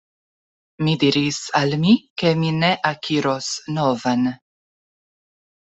Mi diris al mi, ke mi ne akiros novan.